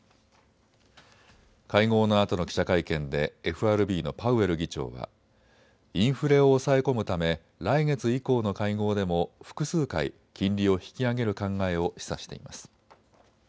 会合のあとの記者会見でＦＲＢのパウエル議長はインフレを抑え込むため来月以降の会合でも複数回、金利を引き上げる考えを示唆しています。